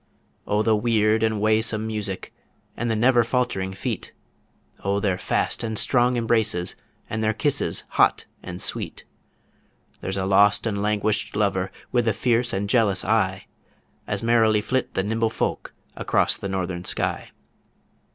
O the weird and waesome music, And the never faltering feet! O their fast and strong embraces, And their kisses hot and sweet! There's a lost and languished lover With a fierce and jealous eye, As merrily flit the Nimble Folk across the Northern Sky.